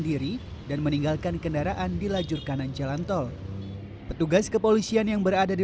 diri dan meninggalkan kendaraan di lajur kanan jalan tol petugas kepolisian yang berada di